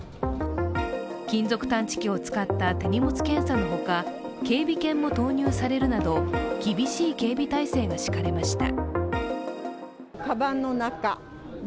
金属探知機を使った手荷物検査のほか、警備犬も投入されるなど、厳しい警備体制が敷かれました。